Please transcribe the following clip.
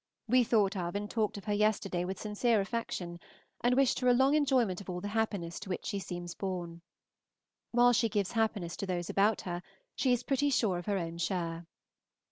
We thought of and talked of her yesterday with sincere affection, and wished her a long enjoyment of all the happiness to which she seems born. While she gives happiness to those about her she is pretty sure of her own share.